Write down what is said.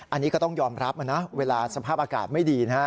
อันนี้ก็ต้องยอมรับนะเวลาสภาพอากาศไม่ดีนะฮะ